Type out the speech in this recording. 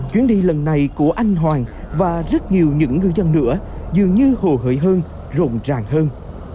chuyến đi lần này của anh hoàng và rất nhiều những ngư dân nữa dường như hồ hời hơn rộn ràng hơn